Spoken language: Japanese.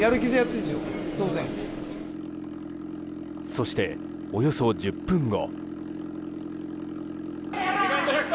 そして、およそ１０分後。